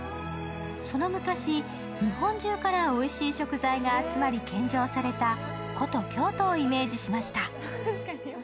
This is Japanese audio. その昔、日本中からおいしい食材が集まり献上された古都・京都をイメージしました。